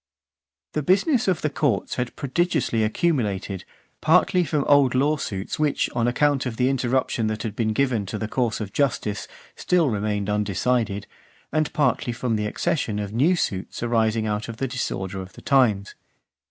X. The business of the courts had prodigiously accumulated, partly from old law suits which, on account of the interruption that had been given to the course of justice, still remained undecided, and partly from the accession of new suits arising out of the disorder of the times.